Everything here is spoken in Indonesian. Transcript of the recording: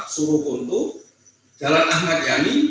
suruh kuntuh jalan ahmad yani